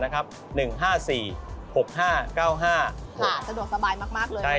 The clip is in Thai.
สะดวกสบายมากเลย